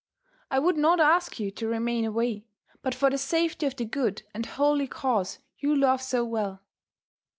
I would not ask you to remain away, but for the safety of the good and holy cause you love so well.